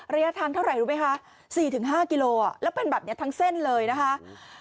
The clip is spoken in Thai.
ระยะทางเท่าไหร่รู้ไหมคะ๔๕กิโลแล้วเป็นแบบนี้ทั้งเส้นเลยนะคะ